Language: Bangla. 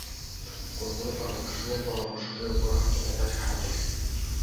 কোনো কোনো পরামর্শ শুনে পরামর্শকের ওপরই হয়তো মেজাজ খারাপ হয়ে যায়।